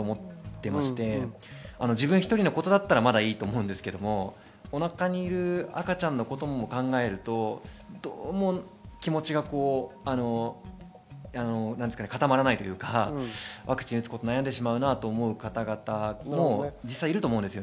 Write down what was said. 自分１人のことだったらまだいいと思うんですが、お腹にいる赤ちゃんのことも考えるとどうも気持ちが固まらないというか、ワクチンを打つことを悩んでしまうなという方々も実際いると思うんです。